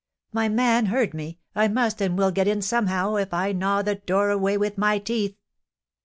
"My man heard me! I must and will get in somehow, if I gnaw the door away with my teeth."